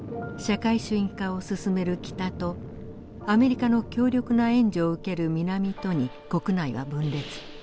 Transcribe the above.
社会主義化を進める北とアメリカの強力な援助を受ける南とに国内は分裂。